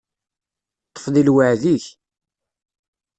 Ṭṭef deg lweɛd-ik.